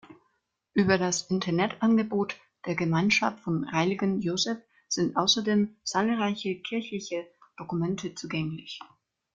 Über das Internetangebot der Gemeinschaft vom heiligen Josef sind außerdem zahlreiche kirchliche Dokumente zugänglich.